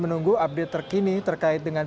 menunggu update terkini terkait dengan